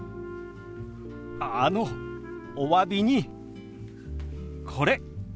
あのおわびにこれ。